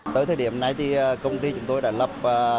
tới thời điểm này thì công ty chúng tôi đã lập